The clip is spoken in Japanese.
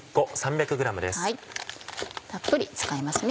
たっぷり使いますね